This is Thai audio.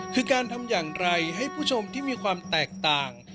คือการทำอย่างไรให้ผู้ชมที่มีความแตกต่าง